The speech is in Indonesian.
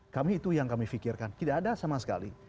kami itu yang kami pikirkan tidak ada sama sekali